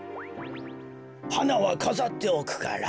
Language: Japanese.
はなはかざっておくから。